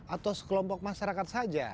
atau sekelompok masyarakat saja